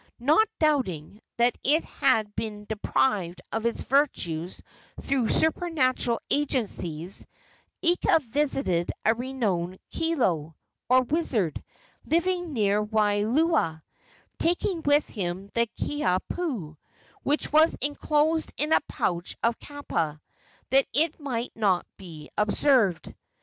Not doubting that it had been deprived of its virtues through supernatural agencies, Ika visited a renowned kilo, or wizard, living near Waialua, taking with him the Kiha pu, which was enclosed in a pouch of kapa, that it might not be observed.